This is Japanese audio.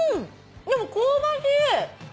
でも香ばしい。